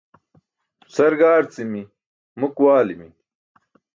Sar gaarci̇mi̇, muk waali̇mi̇.